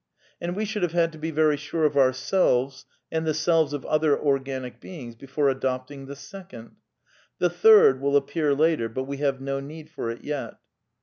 And we should have had to be very sure of our " selves " and the " selves " of other organicSings before adopting the second. TheliirdwiU appear later, but we have no need for it yet.